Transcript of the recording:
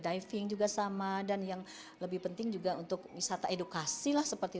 diving juga sama dan yang lebih penting juga untuk wisata edukasi lah seperti